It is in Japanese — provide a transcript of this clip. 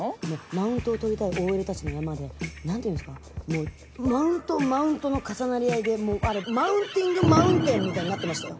マウントを取りたいＯＬたちの山で何て言うんですかもうマウントマウントの重なり合いでもうあれマウンティングマウンテンみたいになってましたよ。